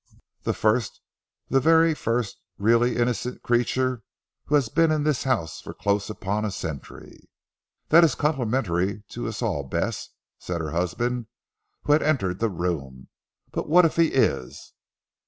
"The first the very first really innocent creature who has been in this house for close upon a century." "That is complimentary to us all Bess," said her husband who had entered the room, "but what if he is?"